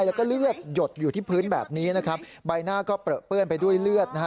แล้วก็เลือดหยดอยู่ที่พื้นแบบนี้นะครับใบหน้าก็เปลือเปื้อนไปด้วยเลือดนะฮะ